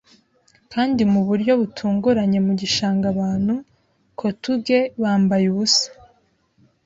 Kandi mu buryo butunguranye mu gishanga abantu kotge bambaye ubusa